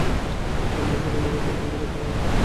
আপনি সেখানে গিয়ে তদন্ত করতে পারেন।